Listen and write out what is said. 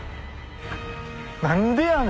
何でやねん。